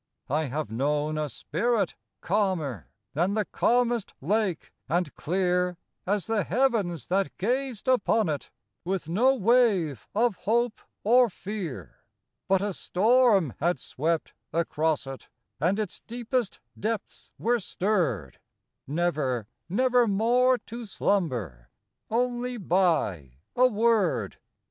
I have known a spirit, calmer Than the calmest lake, and clear As the heavens that gazed upon it, With no wave of hope or fear ; But a storm had swept across it, And its deepest depths were stirred, (Never, never more to slumber,) Only by a word.